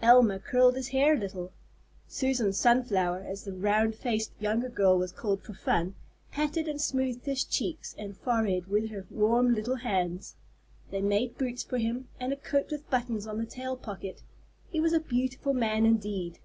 Elma curled his hair a little. Susan Sunflower, as the round faced younger girl was called for fun, patted and smoothed his cheeks and forehead with her warm little hands. They made boots for him, and a coat with buttons on the tail pocket; he was a beautiful man indeed!